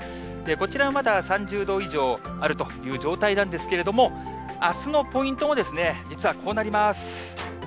こちらはまだ３０度以上あるという状態なんですけれども、あすのポイントも、実はこうなります。